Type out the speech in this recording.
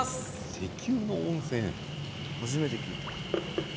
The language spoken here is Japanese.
石油の温泉、初めて聞いた。